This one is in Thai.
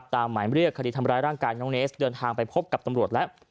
หมายเรียกคดีทำร้ายร่างกายน้องเนสเดินทางไปพบกับตำรวจแล้ว